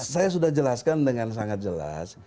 saya sudah jelaskan dengan sangat jelas